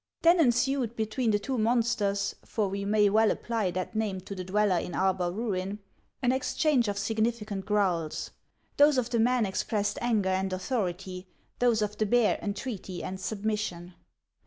Then ensued between the two monsters — for we may well apply that name to the dweller in Arbar ruin — an exchange of significant growls. Those of the man ex pressed anger and authority ; those of the bear, entreaty and submission.